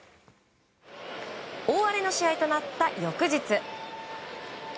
大荒れの試合となった翌日。